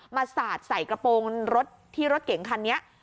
สาดใส่กระโปรงรถที่รถเก๋งคันนี้